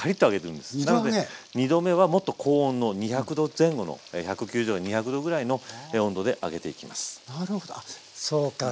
２度目はもっと高温の２００℃前後の１９０２００℃ぐらいの温度で揚げていきます。